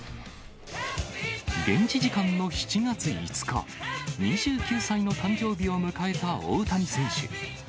現地時間の７月５日、２９歳の誕生日を迎えた大谷選手。